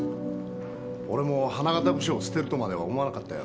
俺も花形部署を捨てるとまでは思わなかったよ。